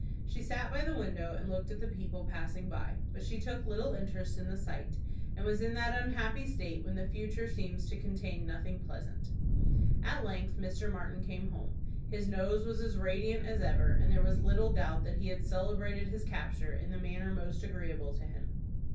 She sat by the window, and looked at the people passing by, but she took little interest in the sight, and was in that unhappy state when the future seems to contain nothing pleasant. At length Mr. Martin came home. His nose was as radiant as ever, and there was little doubt that he had celebrated his capture in the manner most agreeable to him.